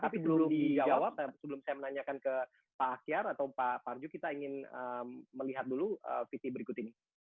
tapi belum dijawab sebelum saya menanyakan ke pak akyar atau pak parju kita ingin melihat dulu vt berikut ini